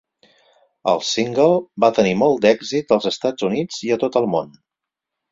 El single va tenir molt d'èxit als Estats Units i a tot el món.